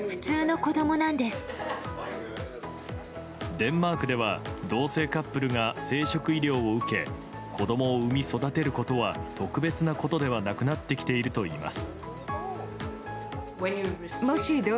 デンマークでは同性カップルが生殖医療を受け子供を生み育てることは特別なことではなくなってきているといいます。